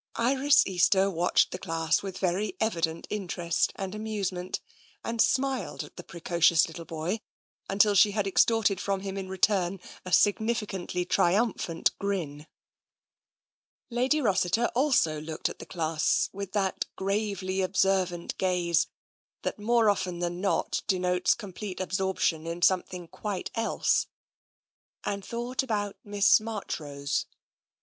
Iris Easter watched the class with very evident in terest and amusement, and smiled at the precocious little boy until she had extorted from him in return a significantly triumphant grin. Lady Rossiter also looked at the class with that gravely observant gaze that, more often than not, de notes complete absorption in something quite else, and thought about Miss Marchrose.